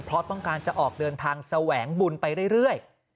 เพราะต้องการจะออกเดินทางแสวงบุญไปเรื่อย